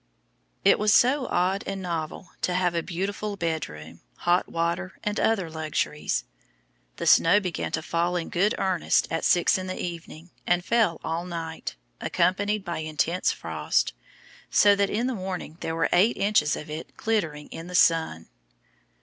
It was so odd and novel to have a beautiful bed room, hot water, and other luxuries. The snow began to fall in good earnest at six in the evening, and fell all night, accompanied by intense frost, so that in the morning there were eight inches of it glittering in the sun.